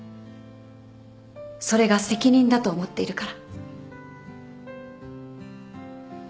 それが責任だと思っているから。